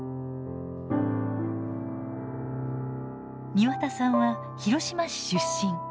庭田さんは広島市出身。